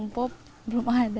pop belum ada